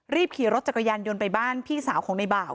ขี่รถจักรยานยนต์ไปบ้านพี่สาวของในบ่าว